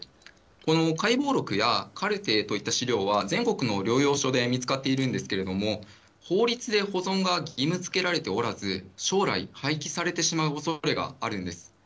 この解剖録やカルテといった資料は全国の療養所で見つかっているんですけれども、法律で保存が義務付けられておらず、将来、廃棄されてしまうおそれがあるんです。